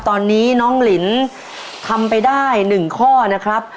ตอนนี้น้องลินทำไปได้๑ข้อนะครับ